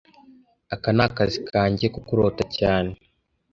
Aka ni akazi kanjye ko kurota cyane